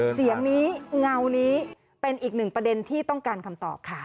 เสียงนี้เงานี้เป็นอีกหนึ่งประเด็นที่ต้องการคำตอบค่ะ